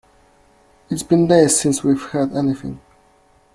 It's been days since we've heard anything.